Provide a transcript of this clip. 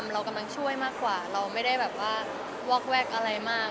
เราไม่ได้แบบว๊ากแวกอะไรมาก